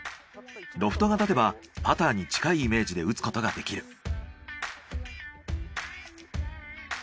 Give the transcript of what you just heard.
ロフトが立てばパターに近いイメージで打つことができる。